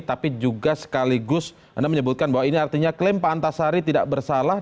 tapi juga sekaligus anda menyebutkan bahwa ini artinya klaim pak antasari tidak bersalah